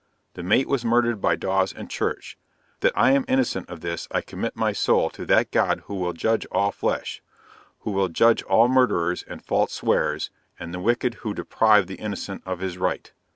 The mate was murdered by Dawes and Church; that I am innocent of this I commit my soul to that God who will judge all flesh who will judge all murderers and false swearers, and the wicked who deprive the innocent of his right.